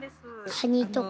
カニとか。